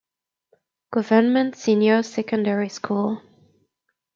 Government Senior Secondary School.